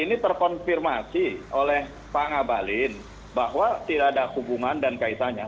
ini terkonfirmasi oleh pak ngabalin bahwa tidak ada hubungan dan kaitannya